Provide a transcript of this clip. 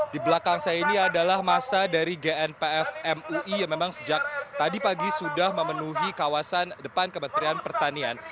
di belakang saya ini adalah masa dari gnpf mui yang memang sejak tadi pagi sudah memenuhi kawasan depan kementerian pertanian